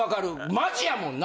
マジやもんな。